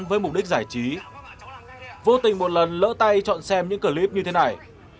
với mục đích giải trí vô tình một lần lỡ tay chọn xem những clip như thế này